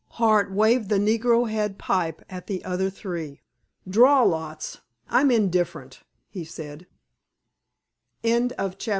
Hart waved the negro head pipe at the other three. "Draw lots. I am indifferent," he said. Chapter XVII.